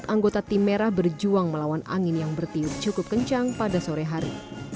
anggota tim merah berjuang melawan angin yang bertiup cukup kencang pada sore hari